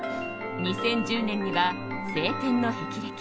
２０１０年には「青天の霹靂」。